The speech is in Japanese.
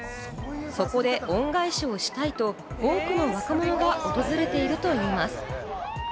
そこで恩返しをしたいと多くの若者が訪れているといいます。